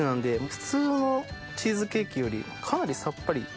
普通のチーズケーキよりかなりさっぱり。